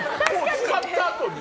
使ったあとに。